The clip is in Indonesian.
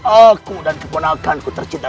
aku dan keponakanku tercinta